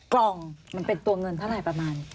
กล่องมันเป็นตัวเงินเท่าไหร่ประมาณ